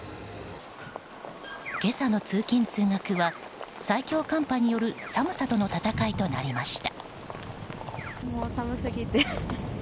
今朝の通勤・通学は最強寒波による寒さとの闘いとなりました。